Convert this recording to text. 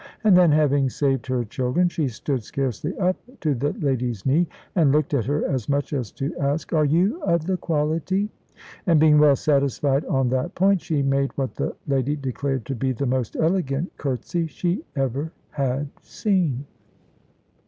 And then, having saved her children, she stood scarcely up to the lady's knee, and looked at her as much as to ask, "Are you of the quality?" And being well satisfied on that point, she made what the lady declared to be the most elegant curtsy she ever had seen.